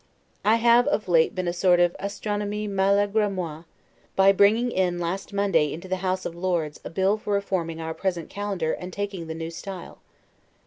I have of late been a sort of 'astronome malgre moi', by bringing in last Monday into the House of Lords a bill for reforming our present Calendar and taking the New Style.